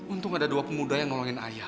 untung ada dua pemuda yang nolongin ayah